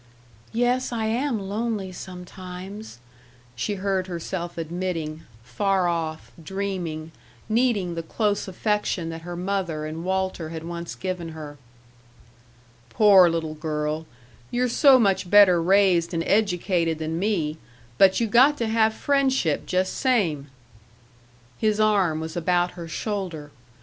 "Yes, I am lonely sometimes," she heard herself admitting far off, dreaming, needing the close affection that her mother and Walter had once given her. "Poor little girl you're so much better raised and educated than me, but you got to have friendship jus' same." His arm was about her shoulder.